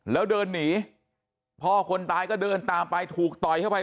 แล้วเดินหนีพ่อคนตายก็เดินตามไปถูกต่อยเข้าไป